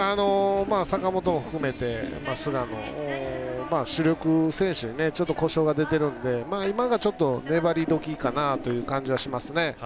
坂本も含めて、菅野主力選手にちょっと故障が出てるんで今が粘り時かなという感じはしますね。